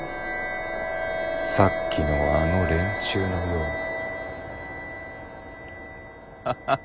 さっきのあの連中のように。